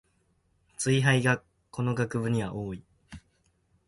ツイ廃がこの学部には多い